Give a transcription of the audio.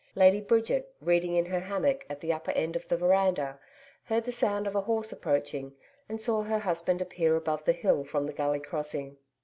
Lady Bridget, reading in her hammock at the upper end of the veranda, heard the sound of a horse approaching, and saw her husband appear above the hill from the Gully Crossing.